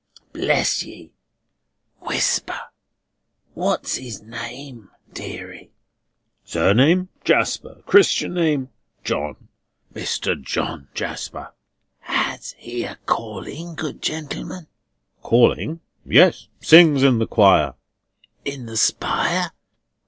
"Bless ye! Whisper. What's his name, deary?" "Surname Jasper, Christian name John. Mr. John Jasper." "Has he a calling, good gentleman?" "Calling? Yes. Sings in the choir." "In the spire?"